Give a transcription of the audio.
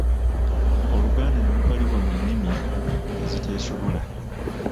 Oluganda ne lubalibwa mu nnimi eziteesobola!